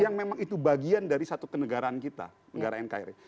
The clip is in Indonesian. yang memang itu bagian dari satu kenegaraan kita negara nkri